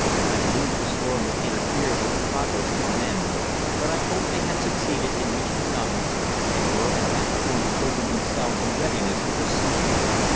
I knew the storm would interfere with the progress of the men, but I hoped they had succeeded in reaching Donald's, and were at that point holding themselves in readiness to proceed.